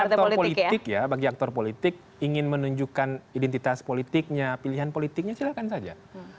aktor politik ya bagi aktor politik ingin menunjukkan identitas politiknya pilihan politiknya silakan saja